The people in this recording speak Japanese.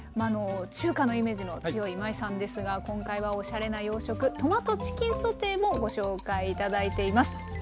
中華のイメージの強い今井さんですが今回はおしゃれな洋食トマトチキンソテーもご紹介頂いています。